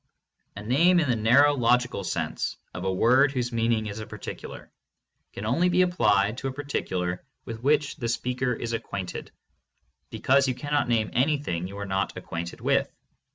A name, in the narrow logical sense of a word whose meaning is a particu lar, can only be applied to a particular with which the speaker is acquainted, because you cannot name anything you are not acquainted with.